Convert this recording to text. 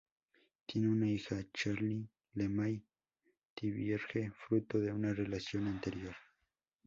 Tiene una hija, Charlie Lemay-Thivierge, fruto de una relación anterior.